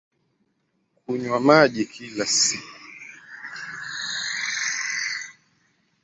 Kunywa maji kila siku